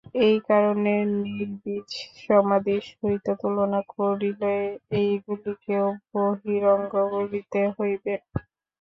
এই কারণে নির্বীজ সমাধির সহিত তুলনা করিলে এইগুলিকেও বহিরঙ্গ বলিতে হইবে।